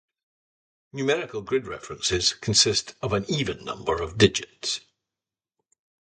Numerical grid references consist of an even number of digits.